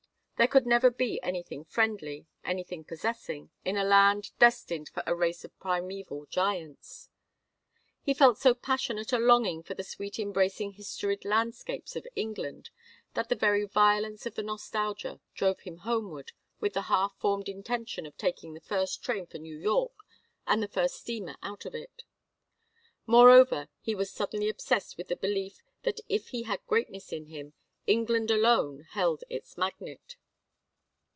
There could never be anything friendly, anything possessing, in a land destined for a race of primeval giants. He felt so passionate a longing for the sweet embracing historied landscapes of England that the very violence of the nostalgia drove him homeward with the half formed intention of taking the first train for New York and the first steamer out of it. Moreover, he was suddenly obsessed with the belief that if he had greatness in him England alone held its magnet.